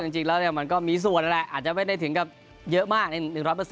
จริงแล้วมันก็มีส่วนนั่นแหละอาจจะไม่ได้ถึงกับเยอะมากใน๑๐๐